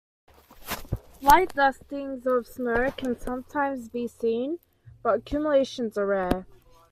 Light dustings of snow can sometimes be seen, but accumulations are rare.